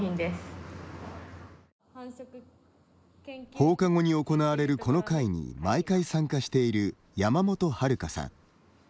放課後に行われるこの会に毎回参加している山本遼さん。